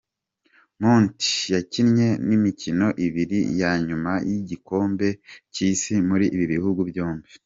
Monti yakinnye imikino ibiri ya nyuma y’igikombe cy’Isi muri ibi bihugu byombi.